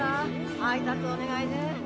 配達お願いね。